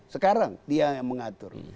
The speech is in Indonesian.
sekarang dia yang mengatur